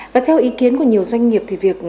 và theo ý kiến của nhiều doanh nghiệp thì việc